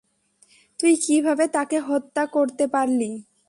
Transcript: তুই কীভাবে তাকে হত্যা করতে পারলি?